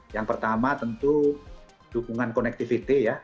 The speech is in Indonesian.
yang pertama tentu dukungan connectivity ya